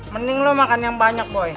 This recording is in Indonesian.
mending lo makan yang banyak boy